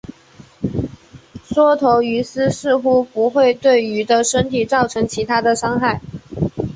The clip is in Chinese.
缩头鱼虱似乎不会对鱼的身体造成其他伤害。